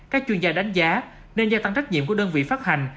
các chuyên gia đánh giá nên gia tăng trách nhiệm của đơn vị phát hành